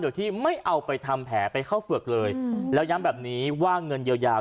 โดยที่ไม่เอาไปทำแผลไปเข้าเฝือกเลยแล้วย้ำแบบนี้ว่าเงินเยียวยา